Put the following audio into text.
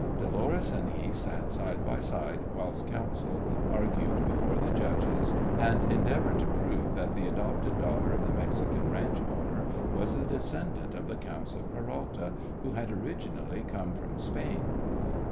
Dolores and he sat side by side whilst counsel argued before the judges and endeavoured to prove that the adopted daughter of the Mexican ranch owner was the descendant of the Counts of Peralta, who had originally come from Spain.